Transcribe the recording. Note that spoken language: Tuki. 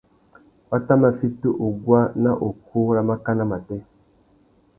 Wa tà mà fiti uguá ná ukú râ mákànà matê.